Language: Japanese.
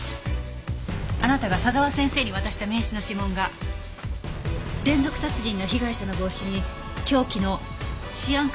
あなたが佐沢先生に渡した名刺の指紋が連続殺人の被害者の帽子に凶器のシアン化